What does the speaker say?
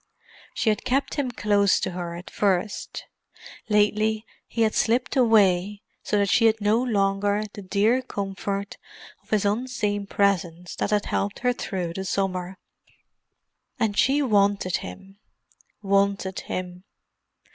She had kept him close to her at first; lately he had slipped away so that she had no longer the dear comfort of his unseen presence that had helped her through the summer. And she wanted him—wanted him.